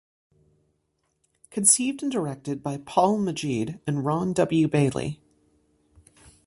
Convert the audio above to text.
Conceived and directed by Paul Magid and Ron W. Bailey.